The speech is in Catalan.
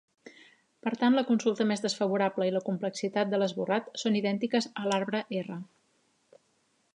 Per tant, la consulta més desfavorable i la complexitat de l'esborrat són idèntiques a l'arbre R.